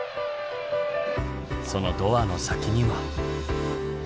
そのドアの先には。